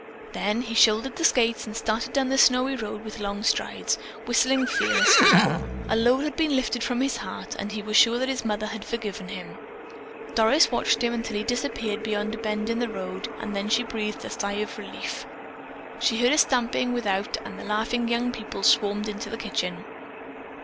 Then he shouldered the skates and started down the snowy road with long strides, whistling fearlessly. A load had been lifted from his heart and he was sure that his mother had forgiven him. Doris watched him until he disappeared beyond a bend in the road and then she breathed a sigh of relief. She heard a stamping without and the laughing young people swarmed into the kitchen.